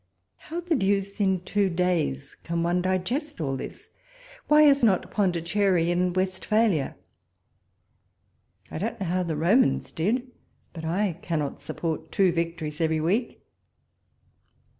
How the deuce in two days can one digest all this I Why is not Pondicherry in Westphalia .' I don't know how the Romans did, but I cannot support two victories every week.